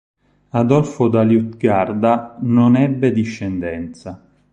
Adolfo da Liutgarda non ebbe discendenza.